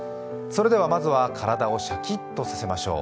それでは、まずは体をシャキッとさせましょう。